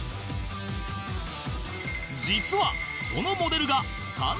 実はそのモデルがさん